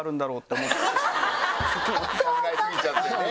考えすぎちゃってね。